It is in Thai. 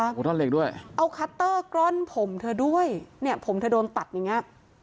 โอ้โหท่อนเหล็กด้วยเอาคัตเตอร์กล้อนผมเธอด้วยเนี่ยผมเธอโดนตัดอย่างเงี้ย